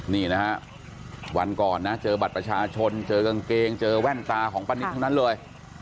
นี่นะฮะวันก่อนนะเจอบัตรประชาชนเจอกางเกงเจอแว่นตาของป้านิตทั้งนั้นเลย